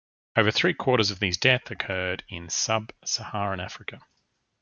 Over three-quarters of these deaths occurred in sub-Saharan Africa.